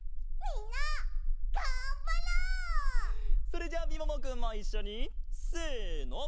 それじゃあみももくんもいっしょにせの！